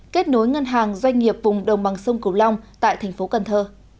kết nối ngân hàng doanh nghiệp vùng đồng bằng sông cửu long tại tp cnh